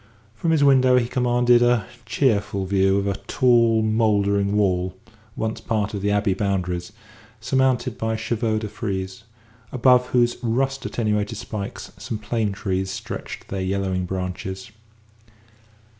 From his window he commanded a cheerful view of a tall, mouldering wall, once part of the Abbey boundaries, surmounted by chevaux de frise, above whose rust attenuated spikes some plane trees stretched their yellowing branches.